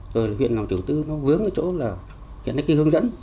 rồi huyện làm tiểu tư nó hướng ở chỗ là hiện nay cái hướng dẫn